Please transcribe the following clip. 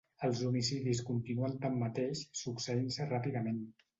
Els homicidis continuen tanmateix succeint-se ràpidament.